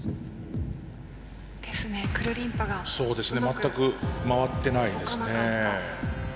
全く回ってないですね。